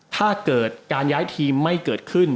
ถ้าเกิดการย้ายทีมไม่เกิดขึ้น